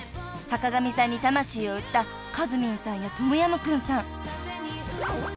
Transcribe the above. ［坂上さんに魂を売ったかずみんさんやとむやむくんさん］